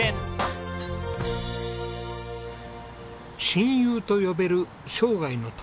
親友と呼べる生涯の友がいる。